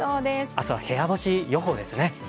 明日は部屋干し予報ですね。